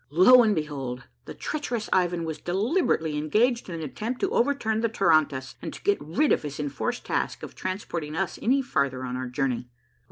Lo and behold ! the treacherous Ivan was deliberately engaged in an attempt to overturn the tarantass and to get rid of his enforced task of transporting us any farther on our journey.